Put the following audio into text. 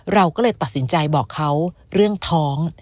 เราก็เลยตัดสินใจบอกเขาเรื่องท้อง